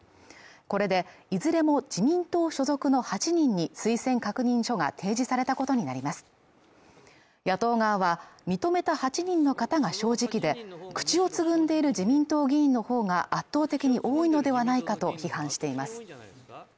これでいずれも自民党所属の８人に推薦確認書が提示されたことになります野党側は認めた８人の方が正直で口をつぐんでいる自民党議員の方が圧倒的に多いのではないかと批判しています